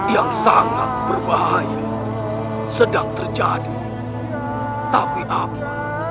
yang sangat berbahaya sedang terjadi tapi apa